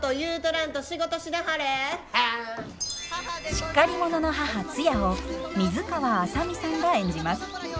しっかり者の母ツヤを水川あさみさんが演じます。